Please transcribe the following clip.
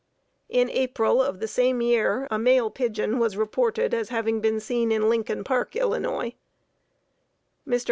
In April of the same year, a male pigeon was reported as having been seen in Lincoln Park, Ill. Mr.